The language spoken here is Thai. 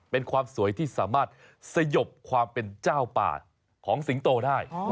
เป็นความสวยที่สามารถสยบความเป็นเจ้าป่าของสิงโตได้